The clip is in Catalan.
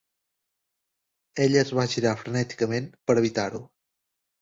Ella es va girar frenèticament per evitar-ho.